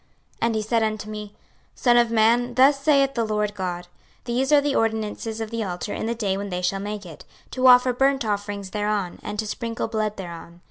26:043:018 And he said unto me, Son of man, thus saith the Lord GOD; These are the ordinances of the altar in the day when they shall make it, to offer burnt offerings thereon, and to sprinkle blood thereon.